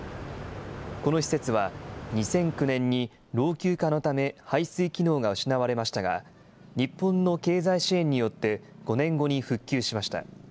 この施設は、２００９年に老朽化のため、排水機能が失われましたが、日本の経済支援によって５年後に復旧しました。